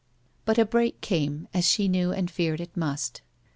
But a break came, as she knew and feared it must.